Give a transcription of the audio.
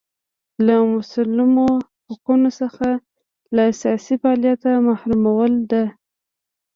له مسلمو حقونو څخه له سیاسي فعالیته محرومول ده.